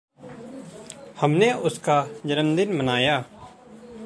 हमने उसका जन्मदिन मनाया।